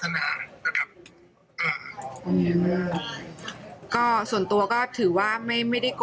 ง่ายหมือก็ส่วนตัวก็ถือว่าไม่ไม่ได้โกรธ